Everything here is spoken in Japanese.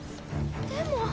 でも。